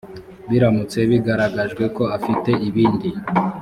biramutse bigaragajwe ko afite ibindi